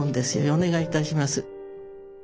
お願いいたします。